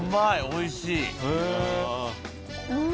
おいしい。